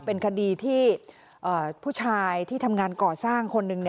เป็นคดีที่ผู้ชายที่ทำงานก่อสร้างคนหนึ่ง